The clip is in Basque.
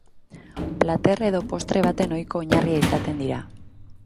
Plater edo postre baten ohiko oinarria izaten dira.